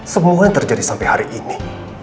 semua yang terjadi sampai hari ini